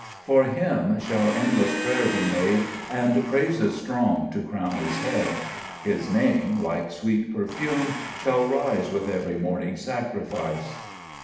2 For Him shall endless prayer be made, And praises throng to crown His head : His Name, like sweet perfume, shall rise With every morning sacrifice ; 3* Cbe fteet Cburcb 'Ibsmns.